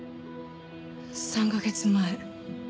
３カ月前。